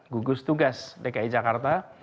gugus tugas dki jakarta